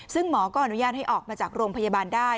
ซึ่งหมอก็อนุญาตให้ออกมาจากโรงพยาบาลได้